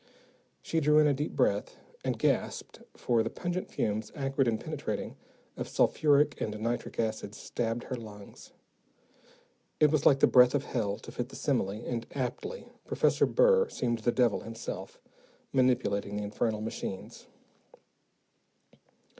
She drew in a deep breath and gasped, for the pungent fumes, acrid and penetrating, of sulphuric and nitric acids, stabbed her lungs. It was like the breath of hell, to fit the simile, and aptly Professor Burr seemed the devil himself, manipulating the infernal machines.